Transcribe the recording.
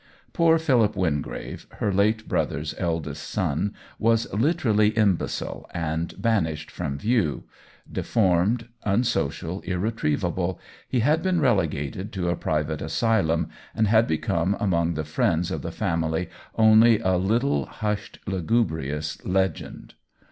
Poor Phil ip Wingrave, her late brother's eldest son, was literally imbecile and banished from view; deformed, unsocial, irretrievable, he had been relegated to a private asylum and had become among the friends of the family only a little hushed lugubrious le gend.